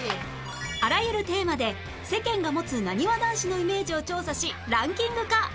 あらゆるテーマで世間が持つなにわ男子のイメージを調査しランキング化